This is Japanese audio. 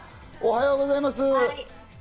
おはようございます。